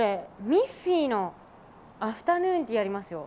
ミッフィーのアフタヌーンティーがありますよ。